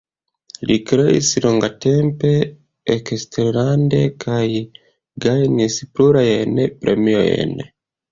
Li kreis longtempe eksterlande kaj gajnis plurajn premiojn.